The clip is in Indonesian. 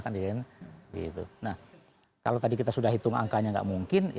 nah kalau tadi kita sudah hitung angkanya nggak mungkin